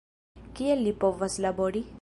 Kiel li povas labori?